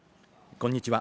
こんにちは。